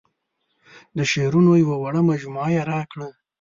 د شعرونو یوه وړه مجموعه یې راکړه.